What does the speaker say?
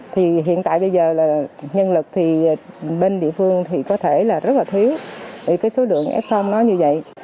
thì hiện tại bây giờ là nhân lực thì bên địa phương thì có thể là rất là thiếu về cái số lượng f nó như vậy